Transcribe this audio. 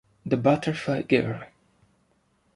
The Butterfly Girl